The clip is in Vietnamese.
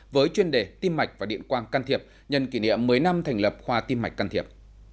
với chuyên đề tim mạch và điện quang can thiệp nhân kỷ niệm một mươi năm thành lập khoa tim mạch can thiệp